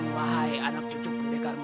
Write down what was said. wahai anak cucu pendekarmu